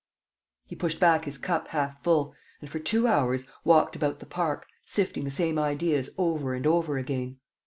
He pushed back his cup half full and, for two hours, walked about the park, sifting the same ideas over and over again.